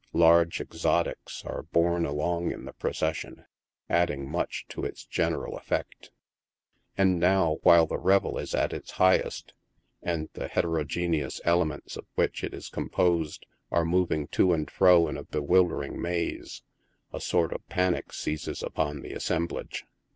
Large exotics are borne along in the procession, adding much to its general effect. And now, while the revel is at its highest, and the heterogeneous elements of which it is composed are moving to and fro in a bewil dering maz3, a sort of panic seizes upon the assemblage.